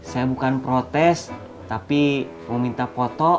saya bukan protes tapi mau minta foto